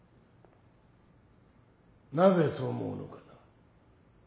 なぜそう思うのかな？